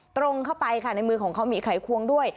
ตรงเข้าไปค่ะในมือของเขามีไขควงด้วย